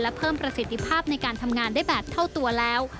และเพิ่มประสิทธิภาพในการทำงานได้แบบเท่าตัวแล้ว